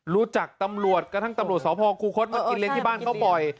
รู้จักตำรวจกระทั่งตำรวจสพคูคศมากินเลี้ยที่บ้านเขาบ่อย